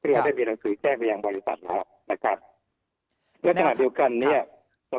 เพื่อได้มีหนังสือแก้ไปยังบริษัทแล้วนะครับแล้วทางเดียวกันเนี้ยอ่า